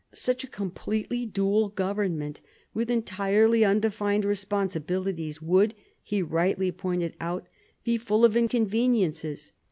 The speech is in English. Such a completely dual government, with entirely undefined responsibilities, would, he rightly pointed out, be full of inconveniences.